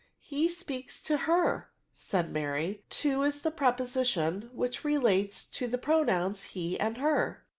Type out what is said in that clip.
" He speaks to her," said Mary :to is the preposition which relates to the pro nouns he and her."